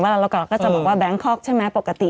เวลาเรากรอกก็จะบอกว่าแบงค์คอล์กใช่ไหมปกติ